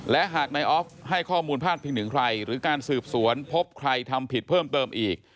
และหากนายออฟให้ข้อมูลพาดพิงถึงใครหรือการสืบสวนพบใครทำผิดเพิ่มเติมอีก